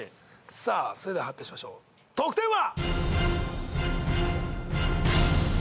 それでは発表しましょう得点は。